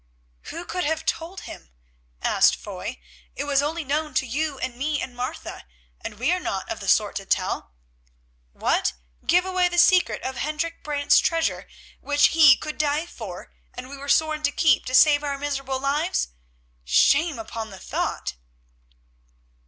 "Who could have told him?" asked Foy. "It was only known to you and me and Martha, and we are not of the sort to tell. What? Give away the secret of Hendrik Brant's treasure which he could die for and we were sworn to keep, to save our miserable lives? Shame upon the thought!"